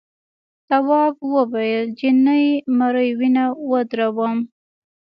تواب وویل نجلۍ مري وینه ودروم.